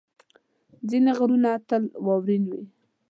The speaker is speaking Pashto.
ځینې غرونه تل واورین وي.